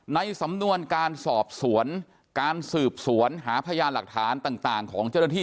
ในสำนวนการสอบสวนการสืบสวนหาพยานหลักฐานต่างของเจ้าหน้าที่